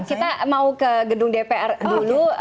kita mau ke gedung dpr dulu